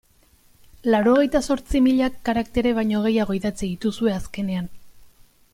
Laurogeita zortzi mila karaktere baino gehiago idatzi dituzue azkenean.